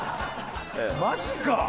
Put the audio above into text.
マジか！